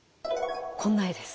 こんな絵です。